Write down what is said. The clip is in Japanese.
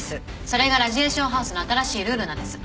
それがラジエーションハウスの新しいルールなんです